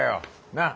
なっ。